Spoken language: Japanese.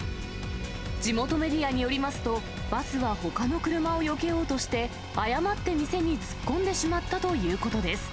地元メディアによりますと、バスはほかの車をよけようとして、誤って店に突っ込んでしまったということです。